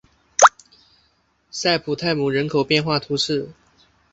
塞普泰姆人口变化图示